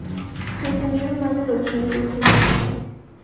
Se encendieron más de dos mil luces.